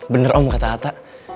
bener om kata atta